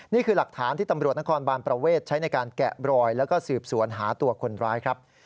นี่คือหลักฐานที่ตำรวจนครบานประเวทใช้ในการแกะบรอยแล้วก็สืบสวนหาตัวคนร้ายครับ